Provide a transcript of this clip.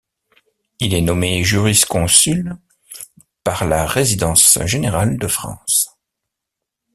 Il est nommé jurisconsulte par la résidence générale de France.